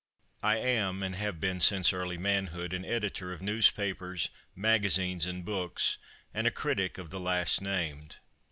I am, and have been since early manhood, an editor of newspapers, magazines and books, and a critic of the last named.